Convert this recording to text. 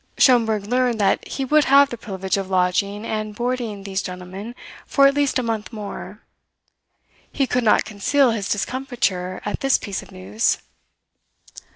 Schomberg learned that he would have the privilege of lodging and boarding these gentlemen for at least a month more. He could not conceal his discomfiture at this piece of news.